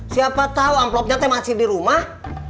siapa tau envelope nya teh masih di rumah